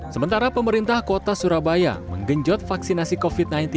sementara pemerintah kota surabaya menggenjot vaksinasi covid sembilan belas